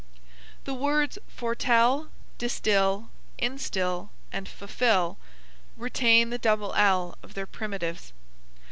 The words foretell, distill, instill and fulfill retain the double ll of their primitives.